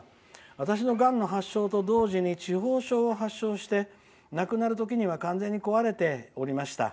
私のがんの発症と同時に痴呆症を発症して亡くなる時には完全に壊れておりました。